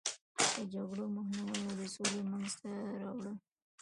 د جګړې مخنیوی او د سولې منځته راوړل.